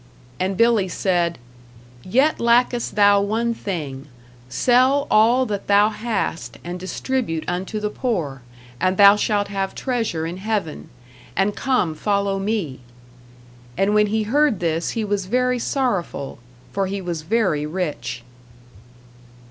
And Billy said: "Yet lackest thou one thing; sell all that thou hast and distribute unto the poor, and thou shalt have treasure in heaven; and come follow me." And when he heard this he was very sorrowful, for he was very rich.